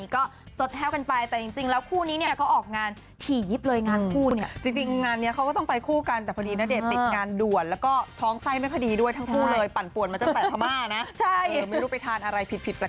ก็ส่วนมากก็จะเป็นใส่คุณค่ะ